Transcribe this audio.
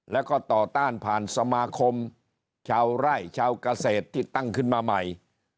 แล้วก็ต่อต้านผ่านสมาคมชาวไร่ชาวเกษตรที่ตั้งขึ้นมาใหม่